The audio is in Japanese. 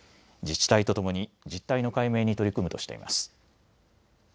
自治体とともに実態の解明に取り組むとしています。